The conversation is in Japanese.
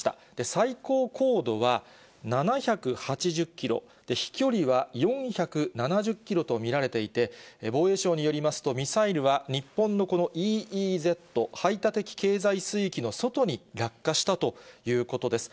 最高高度は７８０キロ、飛距離は４７０キロと見られていて、防衛省によりますと、ミサイルは日本のこのＥＥＺ・排他的経済水域の外に落下したということです。